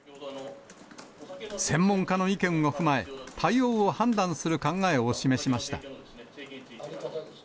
専門家の意見を踏まえ、対応を判断する考えを示しました。